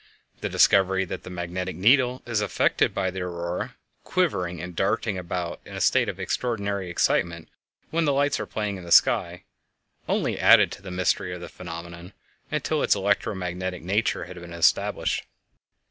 The discovery that the magnetic needle is affected by the Aurora, quivering and darting about in a state of extraordinary excitement when the lights are playing in the sky, only added to the mystery of the phenomenon until its electro magnetic nature had been established.